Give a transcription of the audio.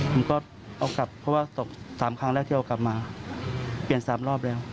ผมก็เอากลับเพราะว่าตก๓ครั้งแรกที่เอากลับมาเปลี่ยน๓รอบแล้ว